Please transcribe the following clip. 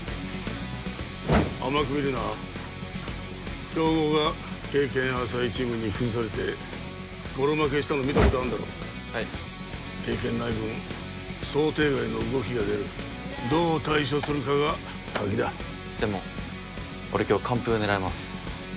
甘く見るな強豪が経験浅いチームに崩されてボロ負けしたの見たことあんだろはい経験ない分想定外の動きが出るどう対処するかが鍵だでも俺今日完封狙います